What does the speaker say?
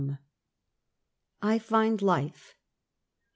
I FIND LIFE.